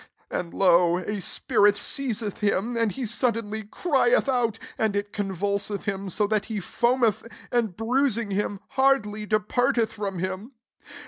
39 And, lo, a spirit seizeth him, and he suddenly crieth out; and it convulseth kirn so that he foameth, and, bruising him, hardly departeth from him.